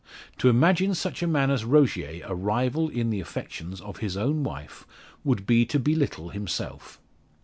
To imagine such a man as Rogier a rival in the affections of his own wife, would be to be little himself.